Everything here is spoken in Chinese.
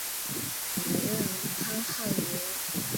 主任潘汉年。